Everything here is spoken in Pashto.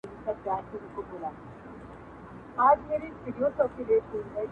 دلته وخت دی شهکار کړی ټول یې بېل بېل ازمویلي,